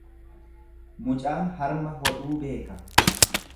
Mucaan harma hodhuu beeka.